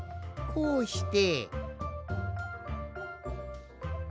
こうして。